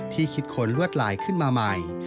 คิดค้นลวดลายขึ้นมาใหม่